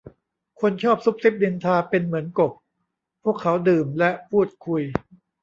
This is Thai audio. คนชอบซุบซิบนินทาเป็นเหมือนกบ พวกเขาดื่มและพูดคุย